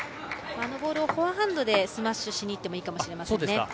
あのボールをフォアハンドでスマッシュしにいっていいかもしれません。